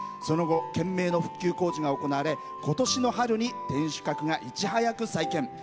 その後懸命の復旧工事が行われ今年の春に天守閣がいち早く再建。